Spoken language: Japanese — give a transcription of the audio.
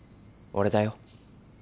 俺だよ。